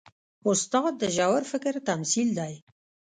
استاد د ژور فکر تمثیل دی.